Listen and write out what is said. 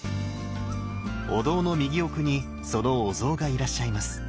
お堂の右奥にそのお像がいらっしゃいます。